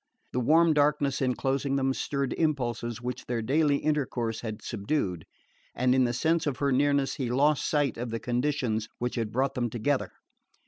The warm darkness enclosing them stirred impulses which their daily intercourse had subdued, and in the sense of her nearness he lost sight of the conditions which had brought them together.